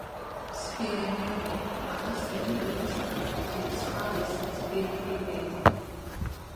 Спионеруп, ҳаӷа сыҩны данызба, зегьы схала исыӡбеит иҳәеит.